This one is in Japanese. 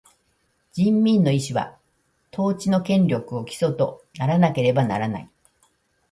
人民の意思は、統治の権力を基礎とならなければならない。